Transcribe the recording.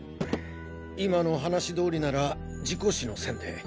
今の話通りなら事故死の線で。